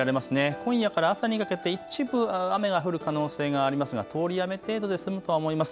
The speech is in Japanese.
今夜からあすにかけて日中は雨が降る可能性がありますが通り雨程度で済むと思います。